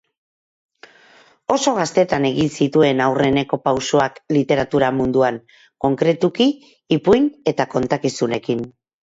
Oso gaztetan egin zituen aurreneko pausoak literatura munduan, konkretuki ipuin eta kontakizunekin.